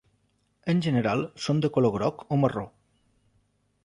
En general són de color groc o marró.